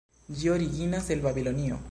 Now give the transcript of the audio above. Ĝi originas el Babilonio.